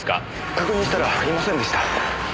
確認したらいませんでした。